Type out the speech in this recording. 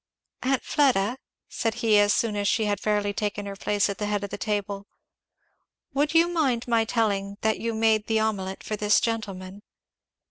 "Aunt Fleda," said he, as soon as she had fairly taken her place at the head of the table, "would you mind my telling that you made the omelette for this gentleman?"